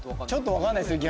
分かんないですね